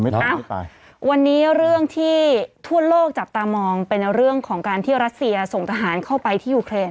วันนี้เรื่องที่ทั่วโลกจับตามองเป็นเรื่องของการที่รัสเซียส่งทหารเข้าไปที่ยูเครน